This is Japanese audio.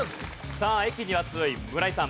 さあ駅には強い村井さん。